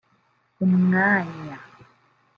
umwanya